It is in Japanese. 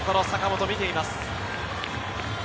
坂本、見ています。